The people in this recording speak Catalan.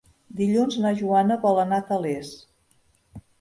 Dilluns na Joana vol anar a Tales.